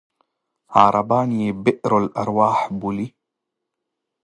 عربان یې بئر الأرواح بولي.